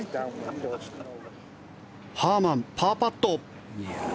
ハーマン、パーパット。